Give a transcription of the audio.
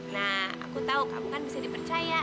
nah aku tahu kamu kan bisa dipercaya